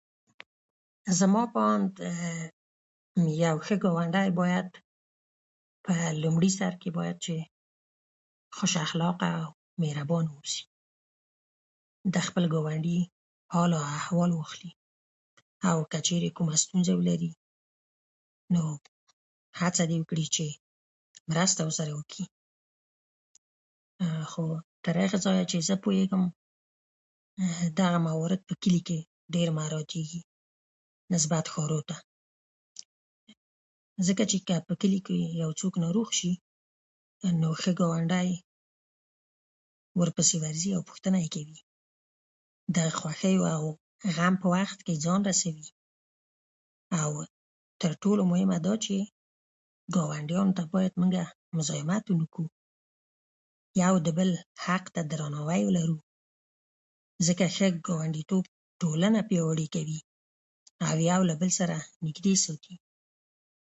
زما په اند یو شه گاونډی باید په لومړي سر کې باید چې خوش اخلاقه او مهربان اوسي. د خپل ګاونډي حال او احوال واخلي او که چېرې کومه ستونزه ولري نو هڅه دې وکړي چې مرسته ورسره وکړي. او هغه خو تر هغه ځایه چې زه پوهېږم دغه موارد په کلي کې ډېر مراعاتیږي نسبت ښارونو ته. ځکه چې که په کلي کې یو څوک ناروغ شي نو ښه گاونډی ورپسې ورځي او پوښتنه يې کوي د خوښۍ او غم په وخت کې ځان رسوي او تر ټولو. مهمه دا چې گاونډیانو ته باید موږه مزاحمت ونکړو یو د بل حق ته درناوی ولرو ځکه ښه گاونډیتوب ټولنه پیاوړې کوي او یو له بل سره نږدې ساتي.